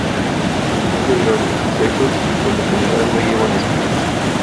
Son delgados, secos y por lo general no llevan espinas.